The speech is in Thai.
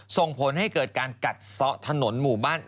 ส่งผลให้เกิดการกัดซะถนนหมู่บ้าน